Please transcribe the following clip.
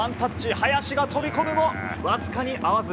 林が飛び込むも、わずかに合わず。